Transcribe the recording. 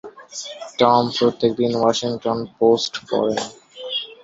Tom প্রত্যেকদিন Washington Post পরেন।